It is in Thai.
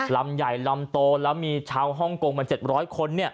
ลำใหญ่ลำโตแล้วมีชาวฮ่องกงมาเจ็บร้อยคนเนี่ย